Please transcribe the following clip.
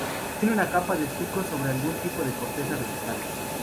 Tiene una capa de estuco sobre algún tipo de corteza vegetal.